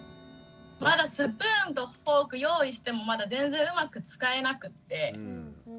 まだスプーンとフォーク用意してもまだ全然うまく使えなくって。